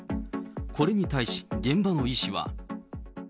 これに対し現場の医師は。